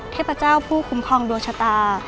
เทพเจ้าผู้คุ้มครองดวงชะตา